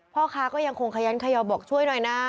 พ่อค้าก็ยังคงขยันขยอบอกช่วยหน่อยนะ